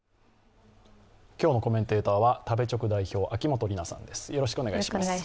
今日のコメンテーターは食べチョク代表、秋元里奈さんです。